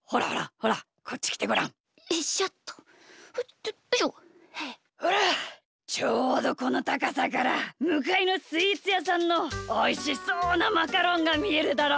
ほらちょうどこのたかさからむかいのスイーツやさんのおいしそうなマカロンがみえるだろ？